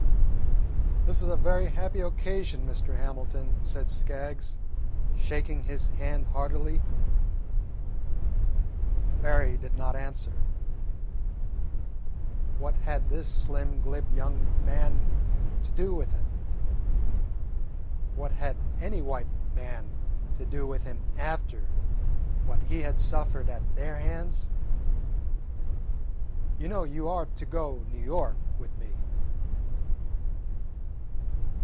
"This is a very happy occasion, Mr. Hamilton," said Skaggs, shaking his hand heartily. Berry did not answer. What had this slim, glib young man to do with him? What had any white man to do with him after what he had suffered at their hands? "You know you are to go New York with me?"